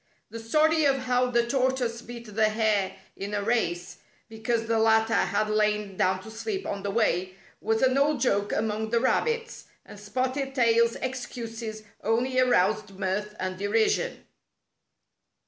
The story of how the tortoise beat the hare in a race, because the latter had lain down to sleep on the way, was an old joke among the rabbits, and Spotted Tail's excuses only aroused mirth and derision.